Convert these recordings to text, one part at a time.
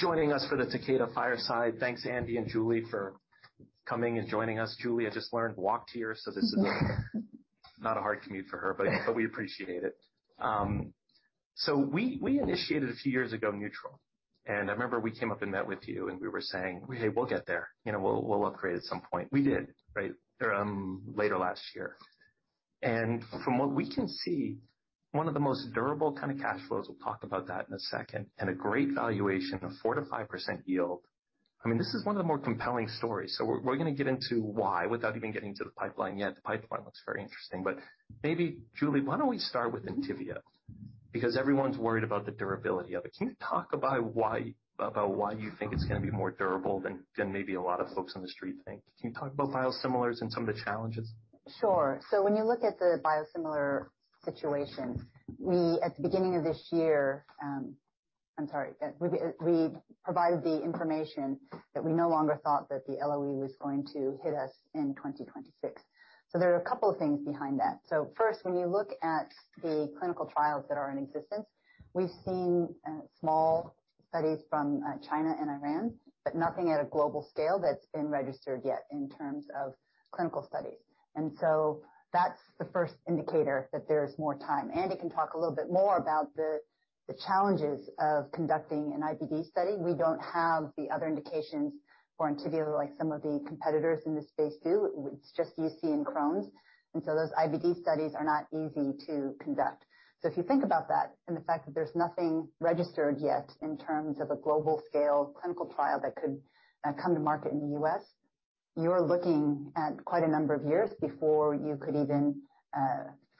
Joining us for the Takeda fireside. Thanks, Andy and Julie, for coming and joining us. Julie, I just learned walked here, so this is not a hard commute for her, but we appreciate it, so we initiated a few years ago neutral, and I remember we came up and met with you, and we were saying, "Hey, we'll get there. We'll upgrade at some point." We did, right, later last year, and from what we can see, one of the most durable kind of cash flows, we'll talk about that in a second, and a great valuation of 4%-5% yield. I mean, this is one of the more compelling stories, so we're going to get into why without even getting to the pipeline yet. The pipeline looks very interesting, but maybe, Julie, why don't we start with Entyvio? Because everyone's worried about the durability of it. Can you talk about why you think it's going to be more durable than maybe a lot of folks on the street think? Can you talk about biosimilars and some of the challenges? Sure. So when you look at the biosimilar situation, at the beginning of this year, I'm sorry, we provided the information that we no longer thought that the LOE was going to hit us in 2026. So there are a couple of things behind that. So first, when you look at the clinical trials that are in existence, we've seen small studies from China and Iran, but nothing at a global scale that's been registered yet in terms of clinical studies. And so that's the first indicator that there's more time. Andy can talk a little bit more about the challenges of conducting an IBD study. We don't have the other indications for Entyvio like some of the competitors in this space do. It's just, you see, in Crohn's. And so those IBD studies are not easy to conduct. So if you think about that and the fact that there's nothing registered yet in terms of a global scale clinical trial that could come to market in the U.S., you're looking at quite a number of years before you could even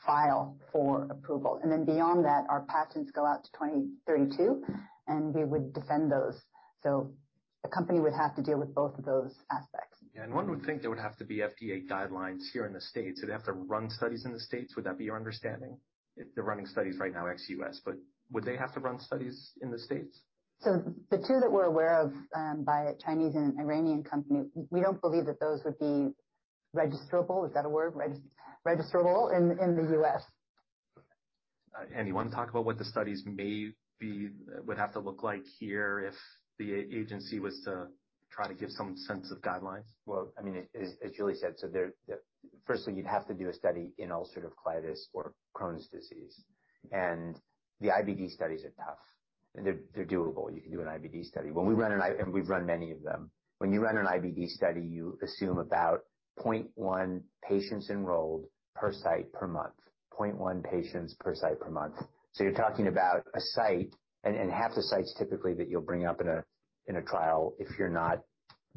file for approval. And then beyond that, our patents go out to 2032, and we would defend those. So a company would have to deal with both of those aspects. Yeah. And one would think there would have to be FDA guidelines here in the States. They'd have to run studies in the States. Would that be your understanding? They're running studies right now ex U.S., but would they have to run studies in the States? So the two that we're aware of by a Chinese and Iranian company, we don't believe that those would be registrable. Is that a word? Registrable in the U.S. Okay. Anyone talk about what the studies would have to look like here if the agency was to try to give some sense of guidelines? Well, I mean, as Julie said, so firstly, you'd have to do a study in ulcerative colitis or Crohn's disease. And the IBD studies are tough. They're doable. You can do an IBD study. And we've run many of them. When you run an IBD study, you assume about 0.1 patients enrolled per site per month. 0.1 patients per site per month. So you're talking about a site, and half the sites typically that you'll bring up in a trial if you're not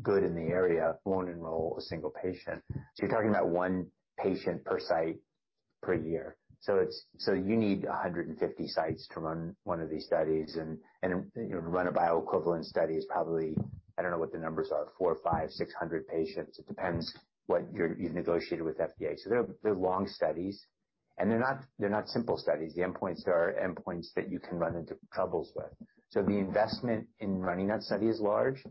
good in the area won't enroll a single patient. So you're talking about one patient per site per year. So you need 150 sites to run one of these studies. And run a bioequivalence study is probably. I don't know what the numbers are. 400, 500, 600 patients. It depends what you've negotiated with FDA. So they're long studies. And they're not simple studies. The endpoints are endpoints that you can run into troubles with. So the investment in running that study is large,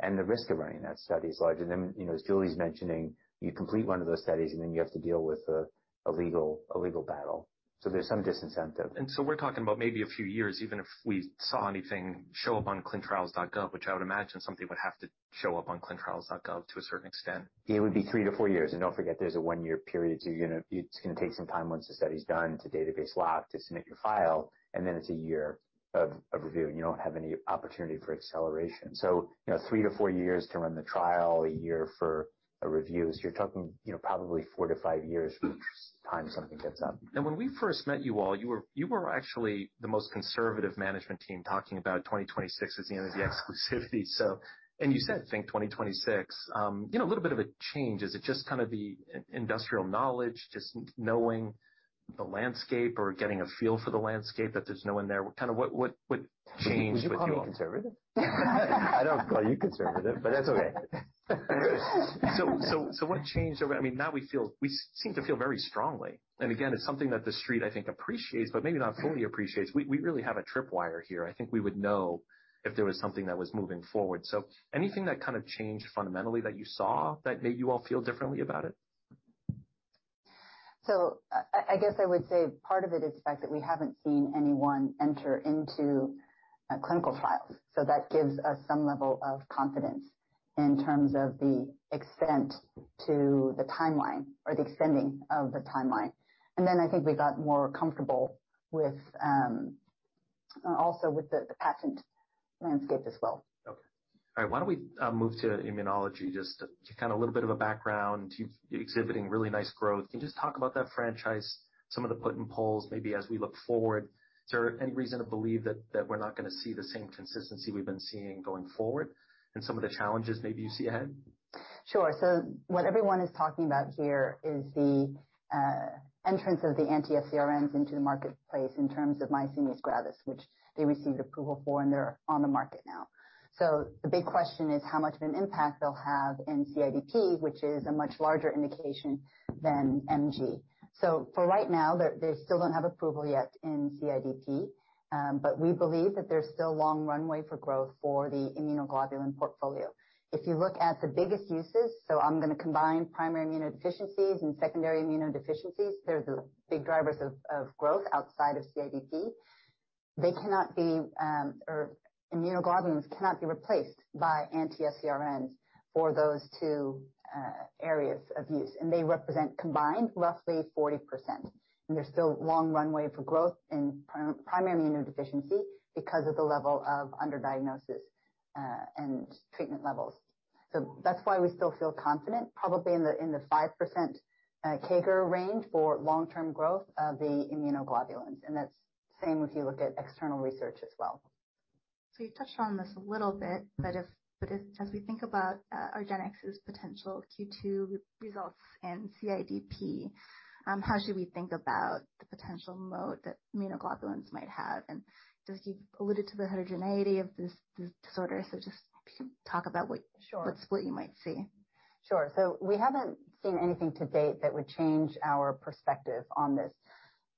and the risk of running that study is large, and then, as Julie's mentioning, you complete one of those studies, and then you have to deal with a legal battle, so there's some disincentive. So we're talking about maybe a few years, even if we saw anything show up on ClinicalTrials.gov, which I would imagine something would have to show up on ClinicalTrials.gov to a certain extent. It would be three to four years. And don't forget, there's a one-year period. So it's going to take some time once the study's done, to database lock, to submit your file, and then it's a year of review. And you don't have any opportunity for acceleration. So three to four years to run the trial, a year for a review. So you're talking probably four to five years from the time something gets up. Now, when we first met you all, you were actually the most conservative management team talking about 2026 as the end of the exclusivity. And you said, "Think 2026." A little bit of a change. Is it just kind of the industry knowledge, just knowing the landscape or getting a feel for the landscape that there's no one there? Kind of what changed with you? Would you call me conservative? I don't call you conservative, but that's okay. So, what changed over? I mean, now we seem to feel very strongly. And again, it's something that the street, I think, appreciates, but maybe not fully appreciates. We really have a tripwire here. I think we would know if there was something that was moving forward. So, anything that kind of changed fundamentally that you saw that made you all feel differently about it? So I guess I would say part of it is the fact that we haven't seen anyone enter into clinical trials. So that gives us some level of confidence in terms of the extent to the timeline or the extending of the timeline. And then I think we got more comfortable also with the patent landscape as well. Okay. All right. Why don't we move to immunology? Just kind of a little bit of a background. You're exhibiting really nice growth. Can you just talk about that franchise, some of the puts and pulls, maybe as we look forward? Is there any reason to believe that we're not going to see the same consistency we've been seeing going forward and some of the challenges maybe you see ahead? Sure. So what everyone is talking about here is the entrance of the anti-FcRn into the marketplace in terms of myasthenia gravis, which they received approval for, and they're on the market now. So the big question is how much of an impact they'll have in CIDP, which is a much larger indication than MG. So for right now, they still don't have approval yet in CIDP, but we believe that there's still a long runway for growth for the immunoglobulin portfolio. If you look at the biggest uses, so I'm going to combine primary immunodeficiencies and secondary immunodeficiencies. They're the big drivers of growth outside of CIDP. They cannot be. Immunoglobulins cannot be replaced by anti-FcRns for those two areas of use. And they represent combined roughly 40%. And there's still a long runway for growth in primary immunodeficiency because of the level of underdiagnosis and treatment levels. So that's why we still feel confident, probably in the 5% CAGR range for long-term growth of the immunoglobulins. And that's the same if you look at external research as well. So you touched on this a little bit, but as we think about our argenx's potential Q2 results in CIDP, how should we think about the potential mode that immunoglobulins might have? And you've alluded to the heterogeneity of this disorder. So just talk about what split you might see. Sure. So we haven't seen anything to date that would change our perspective on this.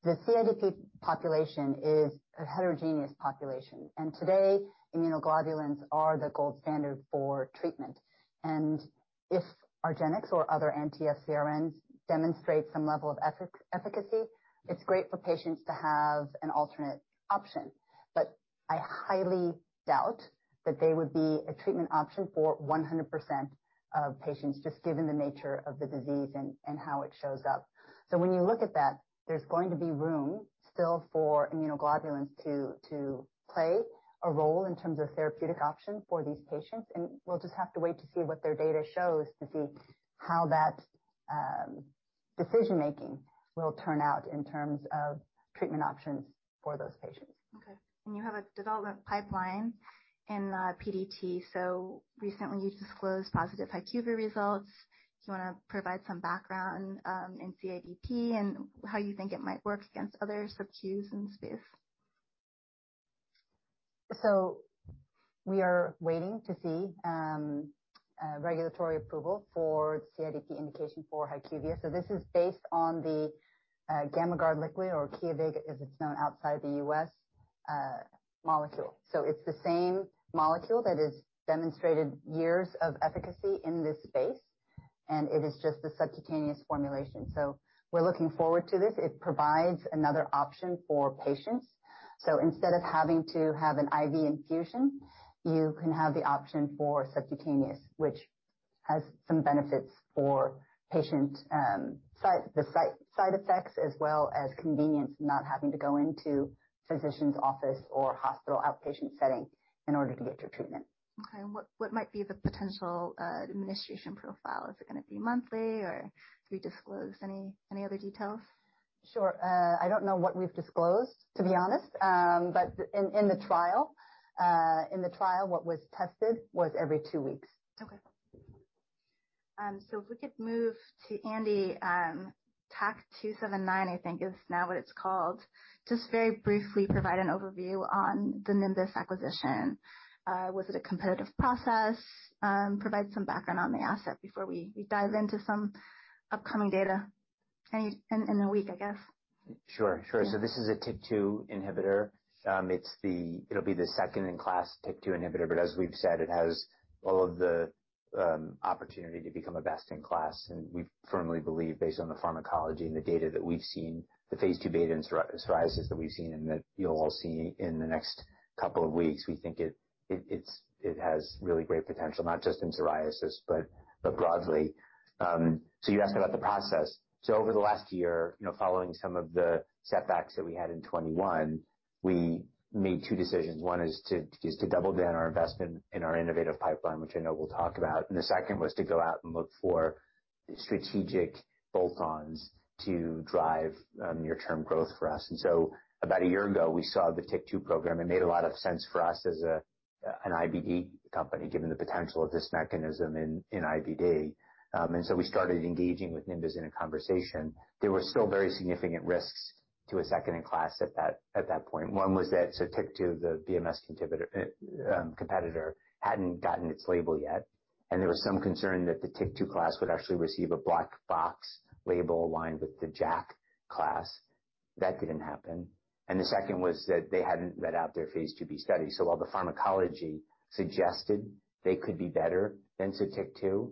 The CIDP population is a heterogeneous population. And today, immunoglobulins are the gold standard for treatment. And if argenx or other anti-FcRn demonstrate some level of efficacy, it's great for patients to have an alternate option. But I highly doubt that they would be a treatment option for 100% of patients just given the nature of the disease and how it shows up. So when you look at that, there's going to be room still for immunoglobulins to play a role in terms of therapeutic option for these patients. And we'll just have to wait to see what their data shows to see how that decision-making will turn out in terms of treatment options for those patients. Okay. And you have a development pipeline in PDT. So recently, you disclosed positive HyQvia results. Do you want to provide some background in CIDP and how you think it might work against other subQs in the space? We are waiting to see regulatory approval for CIDP indication for HyQvia. This is based on the Gammagard Liquid or Kiovig as it's known outside the U.S. molecule. It's the same molecule that has demonstrated years of efficacy in this space, and it is just the subcutaneous formulation. We're looking forward to this. It provides another option for patients. Instead of having to have an IV infusion, you can have the option for subcutaneous, which has some benefits for the side effects as well as convenience of not having to go into a physician's office or hospital outpatient setting in order to get your treatment. Okay, and what might be the potential administration profile? Is it going to be monthly, or have you disclosed any other details? Sure. I don't know what we've disclosed, to be honest. But in the trial, what was tested was every two weeks. Okay. If we could move to Andy, TAK-279, I think is now what it's called. Just very briefly, provide an overview on the Nimbus acquisition. Was it a competitive process? Provide some background on the asset before we dive into some upcoming data in a week, I guess. Sure. Sure. So this is a TYK2 inhibitor. It'll be the second-in-class TYK2 inhibitor. But as we've said, it has all of the opportunity to become a best-in-class. And we firmly believe, based on the pharmacology and the data that we've seen, the phase II psoriasis that we've seen and that you'll all see in the next couple of weeks, we think it has really great potential, not just in psoriasis, but broadly. So you asked about the process. So over the last year, following some of the setbacks that we had in 2021, we made two decisions. One is to double down our investment in our innovative pipeline, which I know we'll talk about. And the second was to go out and look for strategic bolt-ons to drive near-term growth for us. And so about a year ago, we saw the TYK2 program. It made a lot of sense for us as an IBD company, given the potential of this mechanism in IBD, and so we started engaging with Nimbus in a conversation. There were still very significant risks to a second-in-class at that point. One was that TYK2, the BMS competitor, hadn't gotten its label yet, and there was some concern that the TYK2 class would actually receive a black box label aligned with the JAK class. That didn't happen, and the second was that they hadn't read out their phase II-B study, so while the pharmacology suggested they could be better than TYK2,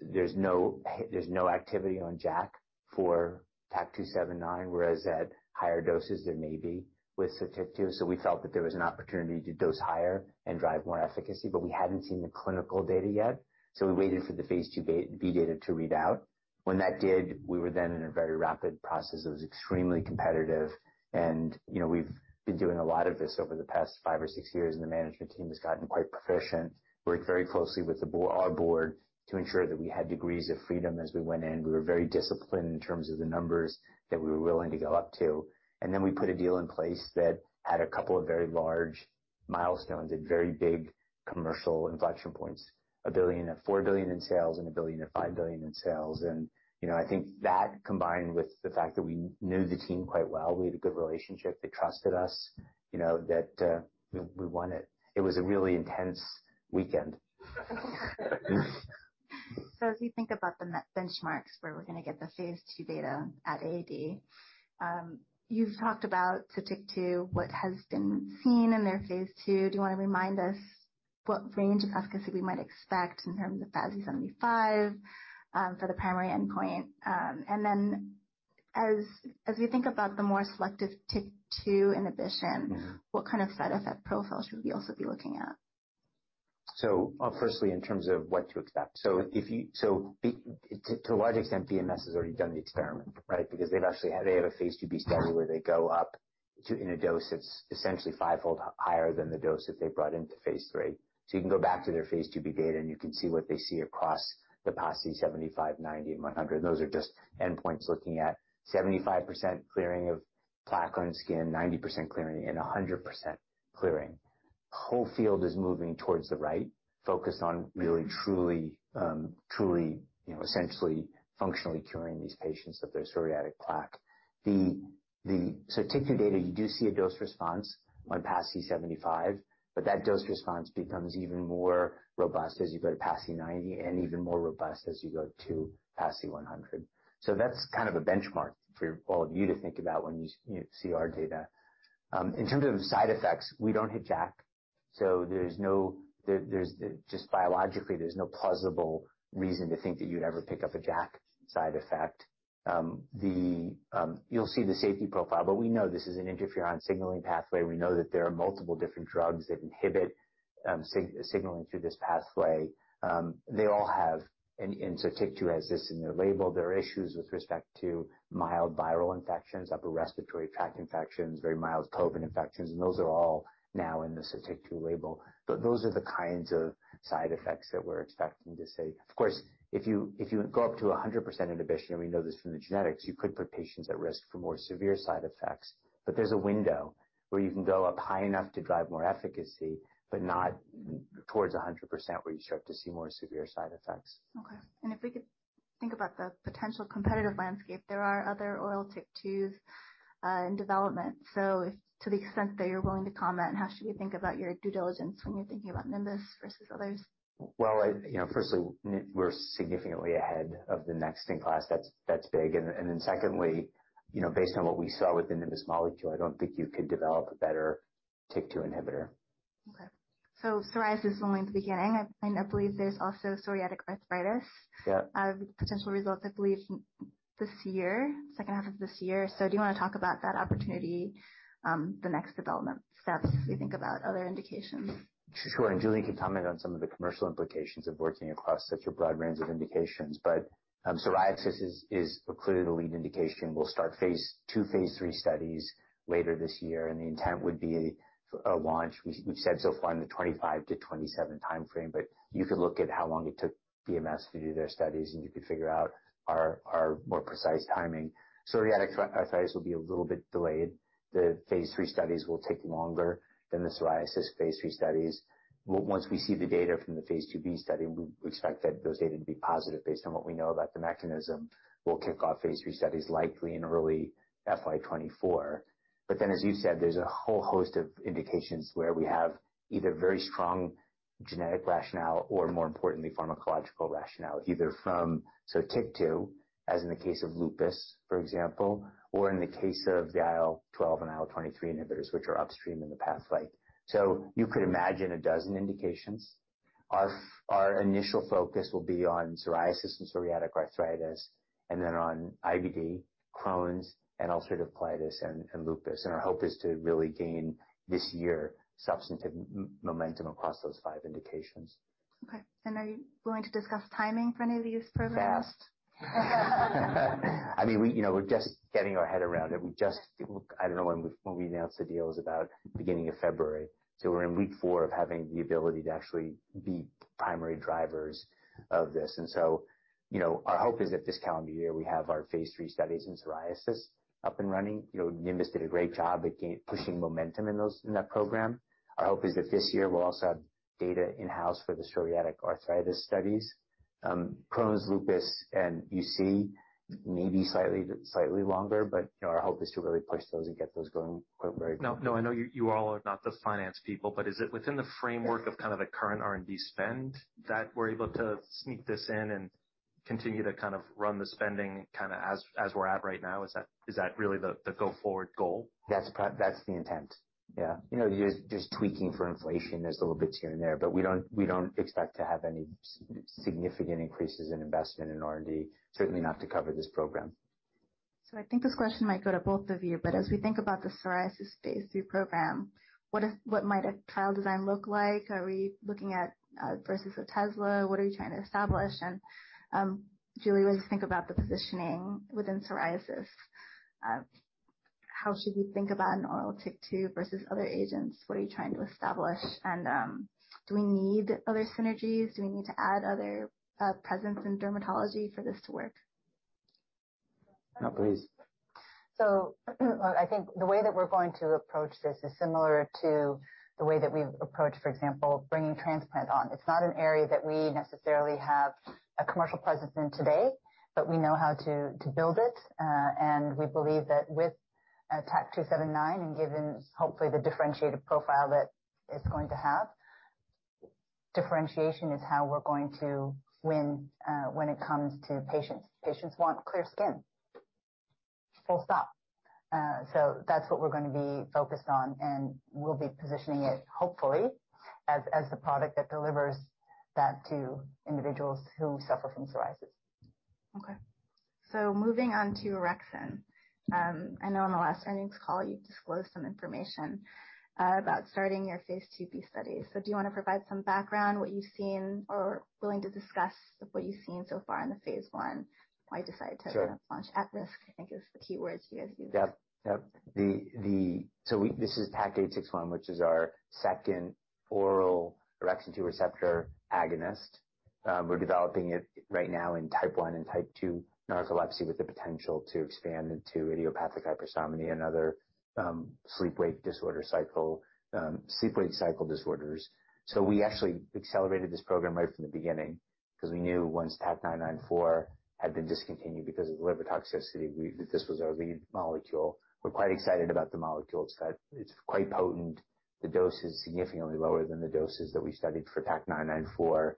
there's no activity on JAK for TAK-279, whereas at higher doses, there may be with TYK2, so we felt that there was an opportunity to dose higher and drive more efficacy, but we hadn't seen the clinical data yet. We waited for the phase II-B data to read out. When that did, we were then in a very rapid process that was extremely competitive. And we've been doing a lot of this over the past five or six years, and the management team has gotten quite proficient. We worked very closely with our board to ensure that we had degrees of freedom as we went in. We were very disciplined in terms of the numbers that we were willing to go up to. And then we put a deal in place that had a couple of very large milestones at very big commercial inflection points: $1 billion at $4 billion in sales and $1 billion at $5 billion in sales. And I think that combined with the fact that we knew the team quite well, we had a good relationship, they trusted us, that we won it. It was a really intense weekend. So as we think about the benchmarks where we're going to get the phase II data AAD, you've talked about TYK2, what has been seen in their phase II. Do you want to remind us what range of efficacy we might expect in terms of PASI 75 for the primary endpoint? And then as we think about the more selective TYK2 inhibition, what kind of side effect profiles should we also be looking at? Firstly, in terms of what to expect. To a large extent, BMS has already done the experiment, right? Because they have a phase II-B study where they go up to a dose that's essentially five-fold higher than the dose that they brought into phase III. So you can go back to their phase II-B data, and you can see what they see across the PASI 75, PASI 90, and PASI 100. Those are just endpoints looking at 75% clearing of plaque on skin, 90% clearing, and 100% clearing. The whole field is moving towards the right, focused on really, truly, essentially, functionally curing these patients with their psoriatic plaque. So TYK2 data, you do see a dose response on PASI 75, but that dose response becomes even more robust as you go to PASI 90 and even more robust as you go to PASI 100. So that's kind of a benchmark for all of you to think about when you see our data. In terms of side effects, we don't hit JAK. So just biologically, there's no plausible reason to think that you'd ever pick up a JAK side effect. You'll see the safety profile, but we know this is an interferon signaling pathway. We know that there are multiple different drugs that inhibit signaling through this pathway. They all have, and so TYK2 has this in their label, there are issues with respect to mild viral infections, upper respiratory tract infections, very mild COVID infections. And those are all now in the TYK2 label. But those are the kinds of side effects that we're expecting to see. Of course, if you go up to 100% inhibition, and we know this from the genetics, you could put patients at risk for more severe side effects. But there's a window where you can go up high enough to drive more efficacy, but not towards 100% where you start to see more severe side effects. Okay, and if we could think about the potential competitive landscape, there are other oral TYK2s in development, so to the extent that you're willing to comment, how should we think about your due diligence when you're thinking about Nimbus versus others? Firstly, we're significantly ahead of the next-in-class. That's big. And then secondly, based on what we saw with the Nimbus molecule, I don't think you could develop a better TYK2 inhibitor. Okay, so psoriasis only at the beginning. I believe there's also psoriatic arthritis potential results, I believe, this year, second half of this year, so do you want to talk about that opportunity, the next development steps, if we think about other indications? Sure. And Julie can comment on some of the commercial implications of working across such a broad range of indications. But psoriasis is clearly the lead indication. We'll start phase II and phase III studies later this year. And the intent would be a launch. We've said so far in the 2025 to 2027 timeframe, but you could look at how long it took BMS to do their studies, and you could figure out our more precise timing. Psoriatic arthritis will be a little bit delayed. The phase III studies will take longer than the psoriasis phase II studies. Once we see the data from the phase II-B study, we expect that those data to be positive based on what we know about the mechanism. We'll kick off phase III studies likely in early FY 2024. But then, as you said, there's a whole host of indications where we have either very strong genetic rationale or, more importantly, pharmacological rationale, either from TYK2, as in the case of lupus, for example, or in the case of the IL-12 and IL-23 inhibitors, which are upstream in the pathway. So you could imagine a dozen indications. Our initial focus will be on psoriasis and psoriatic arthritis, and then on IBD, Crohn's, and ulcerative colitis, and lupus. And our hope is to really gain, this year, substantive momentum across those five indications. Okay, and are you willing to discuss timing for any of these programs? Fast. I mean, we're just getting our head around it. I don't know when we announced the deal. It was about the beginning of February. So we're in week four of having the ability to actually be primary drivers of this, and so our hope is that this calendar year, we have our phase III studies in psoriasis up and running. Nimbus did a great job at pushing momentum in that program. Our hope is that this year, we'll also have data in-house for the psoriatic arthritis studies. Crohn's, lupus, and UC may be slightly longer, but our hope is to really push those and get those going very quickly. No, I know you all are not the finance people, but is it within the framework of kind of the current R&D spend that we're able to sneak this in and continue to kind of run the spending kind of as we're at right now? Is that really the go-forward goal? That's the intent. Yeah. There's tweaking for inflation. There's little bits here and there, but we don't expect to have any significant increases in investment in R&D, certainly not to cover this program. So I think this question might go to both of you. But as we think about the psoriasis phase III program, what might a trial design look like? Are we looking at versus Otezla? What are you trying to establish? And Julie, what do you think about the positioning within psoriasis? How should we think about an oral TYK2 versus other agents? What are you trying to establish? And do we need other synergies? Do we need to add other presence in dermatology for this to work? No, please. I think the way that we're going to approach this is similar to the way that we've approached, for example, bringing transplant on. It's not an area that we necessarily have a commercial presence in today, but we know how to build it. We believe that with TAK-279 and given, hopefully, the differentiated profile that it's going to have, differentiation is how we're going to win when it comes to patients. Patients want clear skin. Full stop. That's what we're going to be focused on. We'll be positioning it, hopefully, as the product that delivers that to individuals who suffer from psoriasis. Okay. Moving on to orexin. I know on the last earnings call, you disclosed some information about starting your phase II-B study. Do you want to provide some background, what you've seen, or willing to discuss what you've seen so far in the phase I? Why decide to launch at-risk, I think, is the key words you guys used. Yep. Yep. This is TAK-861, which is our second oral orexin 2 receptor agonist. We're developing it right now in type one and type two narcolepsy with the potential to expand into idiopathic hypersomnia and other sleep-wake disorder cycle disorders. We actually accelerated this program right from the beginning because we knew once TAK-994 had been discontinued because of the liver toxicity, that this was our lead molecule. We're quite excited about the molecule. It's quite potent. The dose is significantly lower than the doses that we studied for TAK-994.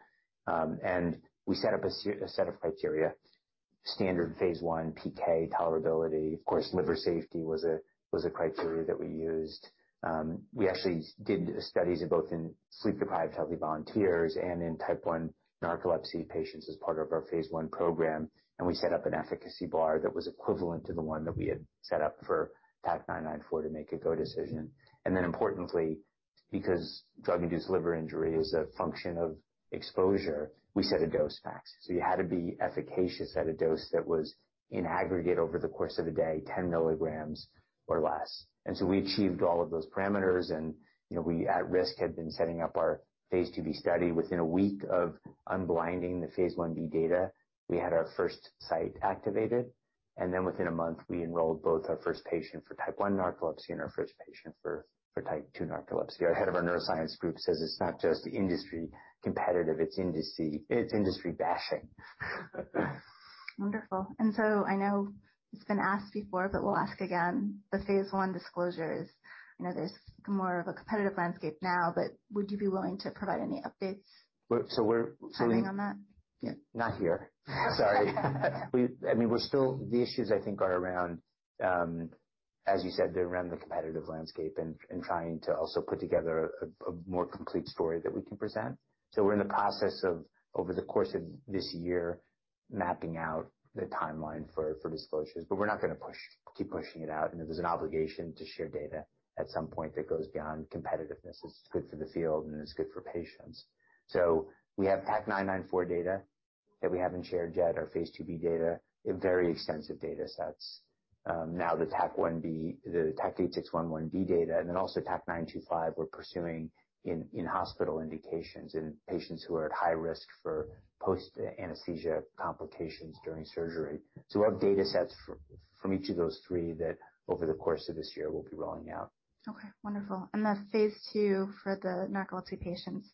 We set up a set of criteria: standard phase I, PK, tolerability. Of course, liver safety was a criteria that we used. We actually did studies in both sleep-deprived healthy volunteers and in type one narcolepsy patients as part of our phase I program. We set up an efficacy bar that was equivalent to the one that we had set up for TAK-994 to make a go decision. Then, importantly, because drug-induced liver injury is a function of exposure, we set a dose max so you had to be efficacious at a dose that was in aggregate over the course of a day, 10 mg or less. So we achieved all of those parameters. We, at risk, had been setting up our phase II-B study. Within a week of unblinding the phase I-B data, we had our first site activated. Then, within a month, we enrolled both our first patient for type one narcolepsy and our first patient for type two narcolepsy. Our head of our neuroscience group says it's not just industry competitive. It's industry bashing. Wonderful. And so I know it's been asked before, but we'll ask again. The phase I disclosures, there's more of a competitive landscape now, but would you be willing to provide any updates? So we're. Commenting on that? Not here. Sorry. I mean, the issues, I think, are around, as you said, they're around the competitive landscape and trying to also put together a more complete story that we can present. We're in the process of, over the course of this year, mapping out the timeline for disclosures. But we're not going to keep pushing it out. If there's an obligation to share data at some point that goes beyond competitiveness, it's good for the field, and it's good for patients. We have TAK-994 data that we haven't shared yet, our phase II-B data, very extensive data sets. Now, the TAK-861 1B data, and then also TAK-925, we're pursuing in-hospital indications in patients who are at high risk for post-anesthesia complications during surgery. We have data sets from each of those three that, over the course of this year, we'll be rolling out. Okay. Wonderful. And the phase II for the narcolepsy patients,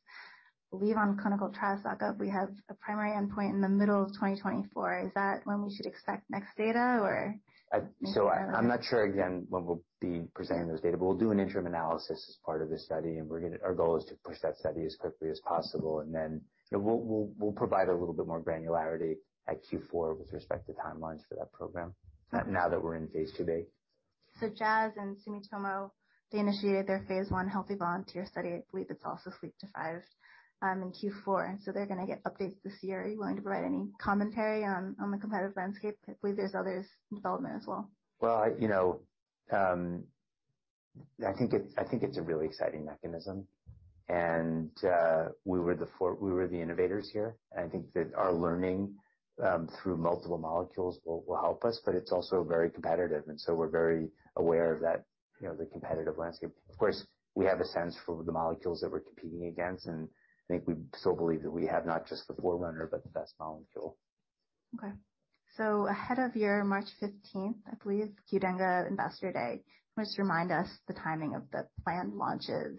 live on ClinicalTrials.gov. We have a primary endpoint in the middle of 2024. Is that when we should expect next data, or? I'm not sure, again, when we'll be presenting those data. But we'll do an interim analysis as part of the study. And our goal is to push that study as quickly as possible. And then we'll provide a little bit more granularity at Q4 with respect to timelines for that program now that we're in phase II-B. So Jazz and Sumitomo initiated their phase I healthy volunteer study. I believe it's also sleep-deprived in Q4. So they're going to get updates this year. Are you willing to provide any commentary on the competitive landscape? I believe there's others in development as well. I think it's a really exciting mechanism. We were the innovators here. I think that our learning through multiple molecules will help us, but it's also very competitive. We're very aware of the competitive landscape. Of course, we have a sense for the molecules that we're competing against. I think we still believe that we have not just the forerunner, but the best molecule. Okay. So ahead of your March 15th, I believe, Qdenga Ambassador Day, just remind us the timing of the planned launches.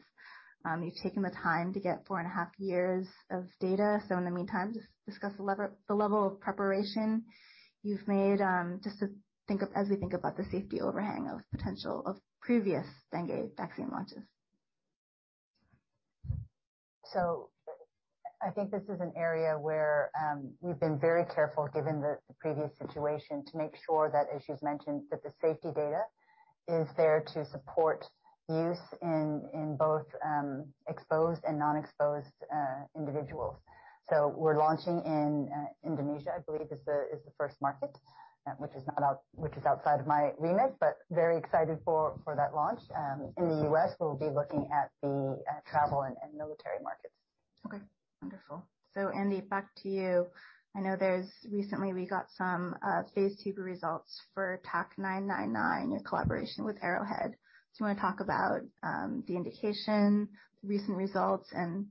You've taken the time to get four and a half years of data. So in the meantime, just discuss the level of preparation you've made just as we think about the safety overhang of potential of previous dengue vaccine launches. So I think this is an area where we've been very careful, given the previous situation, to make sure that, as you've mentioned, the safety data is there to support use in both exposed and non-exposed individuals. So we're launching in Indonesia, I believe, is the first market, which is outside of my remit, but very excited for that launch. In the U.S., we'll be looking at the travel and military markets. Okay. Wonderful. So Andy, back to you. I know recently we got some phase II results for TAK-999, your collaboration with Arrowhead. Do you want to talk about the indication, the recent results, and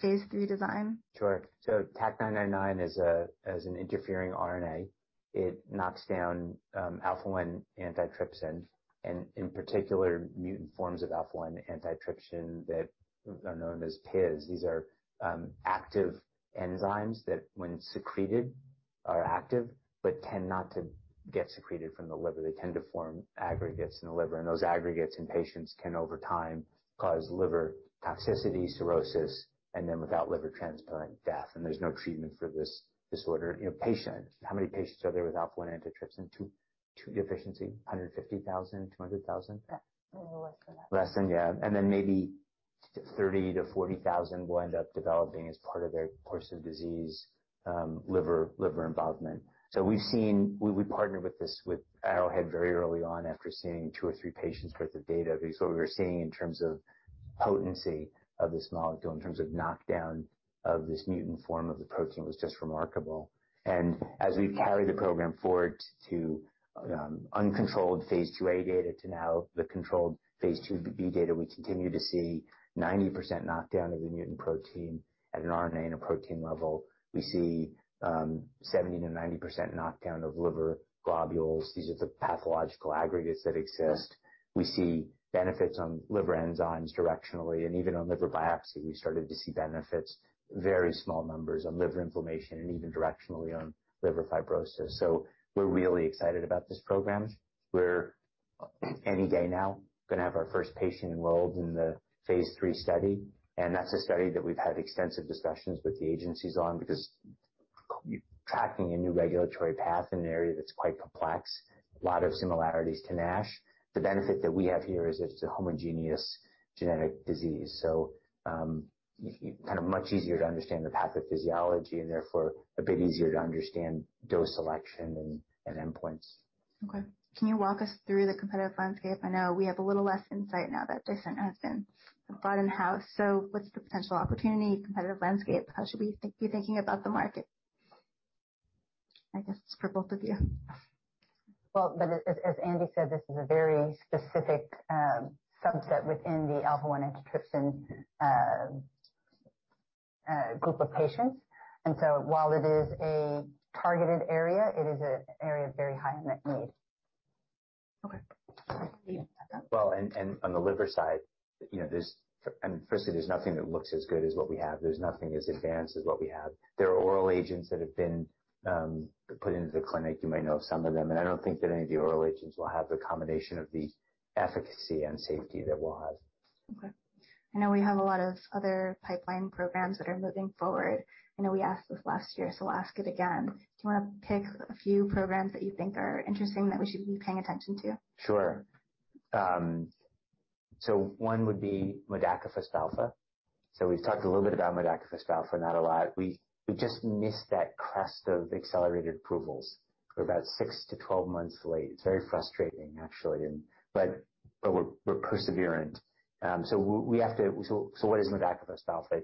phase III design? Sure. TAK-999 is an interfering RNA. It knocks down alpha-1 antitrypsin, and in particular, mutant forms of alpha-1 antitrypsin that are known as PiZ. These are active enzymes that, when secreted, are active but tend not to get secreted from the liver. They tend to form aggregates in the liver. And those aggregates in patients can, over time, cause liver toxicity, cirrhosis, and then, without liver transplant, death. And there's no treatment for this disorder. How many patients are there with alpha-1 antitrypsin deficiency? 150,000? 200,000? Yeah. Maybe less than that. Less than, yeah. And then maybe 30,000-40,000 will end up developing as part of their course of disease, liver involvement. So we partnered with Arrowhead very early on after seeing two or three patients' worth of data because what we were seeing in terms of potency of this molecule, in terms of knockdown of this mutant form of the protein, was just remarkable. And as we've carried the program forward to uncontrolled phase II-A data, to now the controlled phase II-B data, we continue to see 90% knockdown of the mutant protein at an RNA and a protein level. We see 70%-90% knockdown of liver globules. These are the pathological aggregates that exist. We see benefits on liver enzymes directionally. And even on liver biopsy, we started to see benefits, very small numbers, on liver inflammation and even directionally on liver fibrosis. We're really excited about this program. We're, any day now, going to have our first patient enrolled in the phase III study. And that's a study that we've had extensive discussions with the agencies on because tracking a new regulatory path in an area that's quite complex, a lot of similarities to NASH. The benefit that we have here is it's a homogeneous genetic disease. So kind of much easier to understand the pathophysiology and, therefore, a bit easier to understand dose selection and endpoints. Okay. Can you walk us through the competitive landscape? I know we have a little less insight now that Dicerna has been brought in-house. So what's the potential opportunity, competitive landscape? How should we be thinking about the market? I guess it's for both of you. But as Andy said, this is a very specific subset within the alpha-1 antitrypsin group of patients. So while it is a targeted area, it is an area of very high unmet need. Okay. On the liver side, I mean, firstly, there's nothing that looks as good as what we have. There's nothing as advanced as what we have. There are oral agents that have been put into the clinic. You might know of some of them. And I don't think that any of the oral agents will have the combination of the efficacy and safety that we'll have. Okay. I know we have a lot of other pipeline programs that are moving forward. I know we asked this last year, so I'll ask it again. Do you want to pick a few programs that you think are interesting that we should be paying attention to? Sure. So one would be modakafusp alfa. So we've talked a little bit about modakafusp alfa and not a lot. We just missed that crest of accelerated approvals. We're about six to 12 months late. It's very frustrating, actually. But we're perseverant. So what is modakafusp alfa?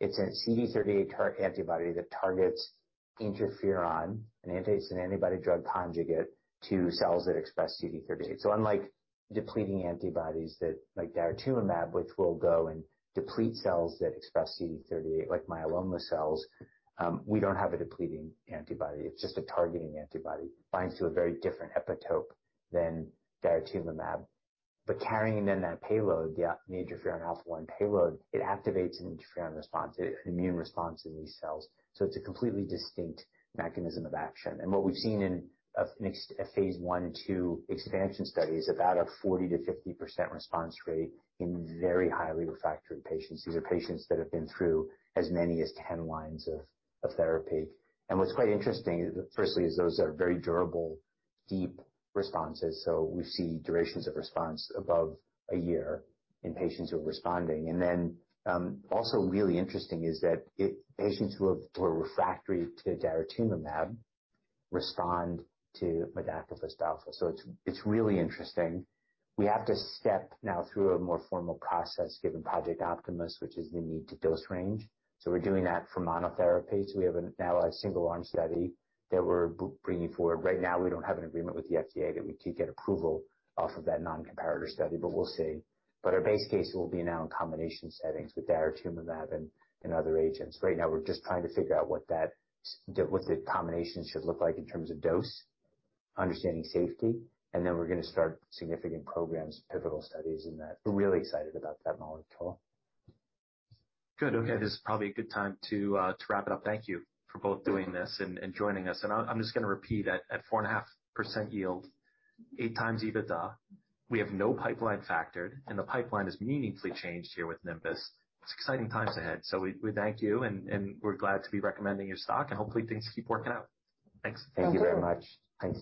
It's a CD38 antibody that targets interferon, and it's an antibody-drug conjugate, to cells that express CD38. So unlike depleting antibodies like daratumumab, which will go and deplete cells that express CD38, like myeloma cells, we don't have a depleting antibody. It's just a targeting antibody. It binds to a very different epitope than daratumumab. But carrying in that payload, the interferon alpha-1 payload, it activates an interferon response, an immune response in these cells. So it's a completely distinct mechanism of action. What we've seen in phase I and phase II expansion studies is about a 40%-50% response rate in very highly refractory patients. These are patients that have been through as many as 10 lines of therapy. And what's quite interesting, firstly, is those are very durable, deep responses. So we see durations of response above a year in patients who are responding. And then also really interesting is that patients who are refractory to daratumumab respond to modakafusp alfa. So it's really interesting. We have to step now through a more formal process given Project Optimus, which is the need to dose range. So we're doing that for monotherapy. So we have now a single-arm study that we're bringing forward. Right now, we don't have an agreement with the FDA that we could get approval off of that non-comparator study, but we'll see. But our base case will be now in combination settings with daratumumab and other agents. Right now, we're just trying to figure out what the combination should look like in terms of dose, understanding safety. And then we're going to start significant programs, pivotal studies in that. We're really excited about that molecule. Good. Okay. This is probably a good time to wrap it up. Thank you for both doing this and joining us, and I'm just going to repeat: at 4.5% yield, 8x EBITDA, we have no pipeline factored, and the pipeline is meaningfully changed here with Nimbus. It's exciting times ahead, so we thank you, and we're glad to be recommending your stock, and hopefully, things keep working out. Thanks. Thank you very much. Thanks.